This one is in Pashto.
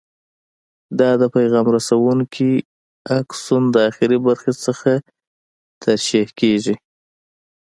دا د پیغام رسونکي آکسون د اخري برخې څخه ترشح کېږي.